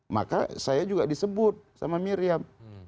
maka saya juga disebut sama miriam